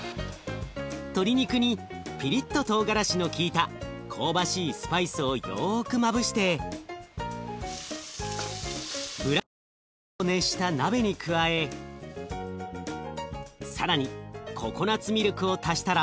鶏肉にピリッとトウガラシの利いた香ばしいスパイスをよくまぶしてブラウンシュガーを熱した鍋に加え更にココナツミルクを足したら。